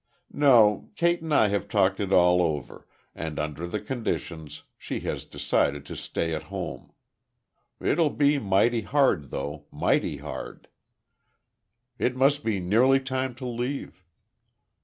No, Kate and I have talked it all over, and, under the conditions, she has decided to stay at home. It'll be mighty hard, though mighty hard.... It must be nearly time to leave."